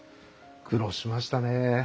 苦労しましたね。